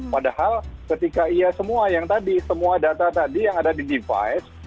padahal ketika iya semua yang tadi semua data tadi yang ada di device